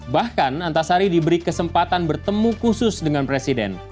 bahkan antasari diberi kesempatan bertemu khusus dengan presiden